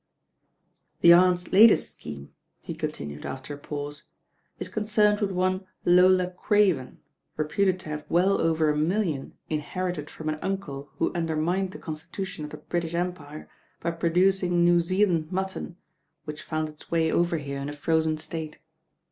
"The Aunt's latest scheme," he continued after a pause, "is concerned with one Lola Craven, reputed to have well over a million inherited from an uncle who undermined the constitution of the British Empire by producing New Zealand mutton, which found its way over here in a frozen state.